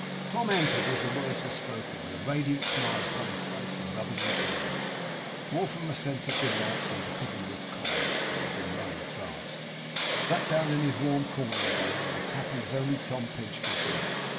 Tom entered as the words were spoken, with a radiant smile upon his face; and rubbing his hands, more from a sense of delight than because he was cold (for he had been running fast), sat down in his warm corner again, and was as happy as only Tom Pinch could be.